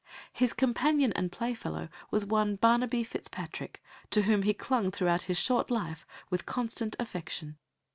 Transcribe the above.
His companion and playfellow was one Barnaby Fitzpatrick, to whom he clung throughout his short life with constant affection.